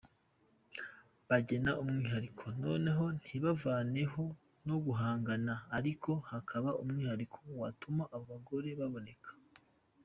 Bagena umwihariko noneho ntibavaneho no guhangana ariko hakaba umwihariko watuma abo bagore baboneka.